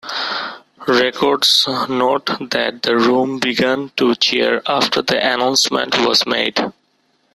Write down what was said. Records note that the room began to cheer after the announcement was made.